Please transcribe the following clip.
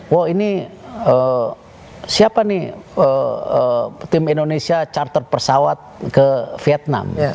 wah ini siapa nih tim indonesia charter pesawat ke vietnam